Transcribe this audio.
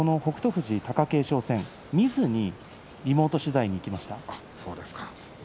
富士、貴景勝戦を見ずにリモート取材に向かいました。